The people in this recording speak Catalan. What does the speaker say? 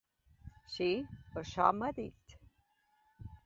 Sí, això m'ha dit.